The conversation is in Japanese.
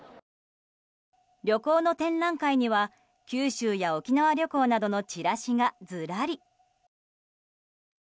旅行の展覧会には、九州や沖縄旅行などのチラシがずらり。